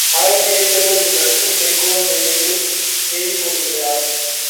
ஆனால், கிடைத்ததோ தீ நட்பு செங்கோன்மையைத் தேடிப்போகின்றார்!